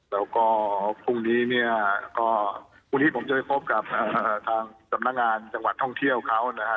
แล้วก็พรุ่งนี้เนี่ยก็พรุ่งนี้ผมจะไปพบกับทางสำนักงานจังหวัดท่องเที่ยวเขานะฮะ